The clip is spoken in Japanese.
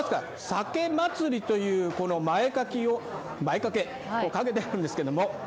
酒祭という前掛けを掛けてるんですけど